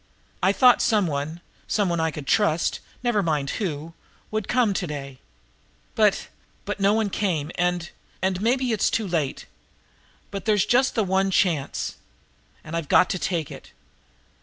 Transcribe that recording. I thought some one, some one that I could trust, never mind who, would have come to day, but but no one came, and and maybe now it s too late, but there's just the one chance, and I've got to take it."